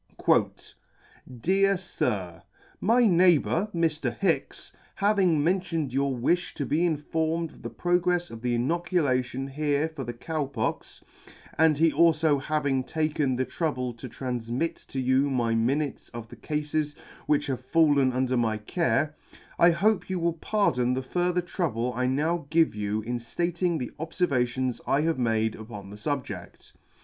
" Dear Sir, " My neighbour, Mr. Hicks, having mentioned your wifh to be informed of the progrefs of the inoculation here for the Cow Pox, and he alfo having taken the trouble to tranfmit to you my minutes of the Cafes which have fallen under my care, I hope you will pardon the further trouble I now give you in Rating the obfervations I have made upon the fubjedt.